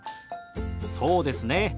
そうですね。